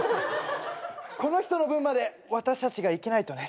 この人の分まで私たちが生きないとね。